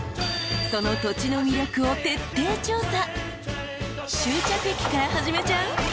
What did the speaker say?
［その土地の魅力を徹底調査］